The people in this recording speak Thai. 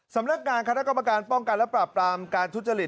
สำนักงานคณะกรรมการป้องกันและปราบปรามการทุจริต